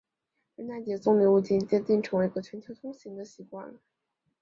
圣诞节送礼物已经接近成为一个全球通行的习惯了。